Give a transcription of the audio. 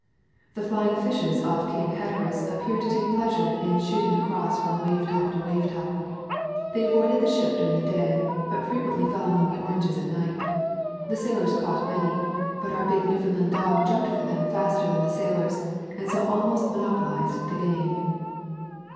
The flying fishes off Cape Hatteras appeared to take pleasure in shooting across from wave top to wave top. They avoided the ship during the day, but frequently fell among the oranges at night. The sailors caught many, but our big Newfoundland dog jumped for them faster than the sailors, and so almost monop olized the game.